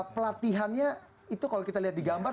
pelatihannya itu kalau kita lihat di gambar